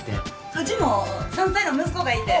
うちも３歳の息子がいて。